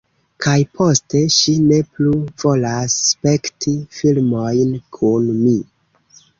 Kaj poste, ŝi ne plu volas spekti filmojn kun mi.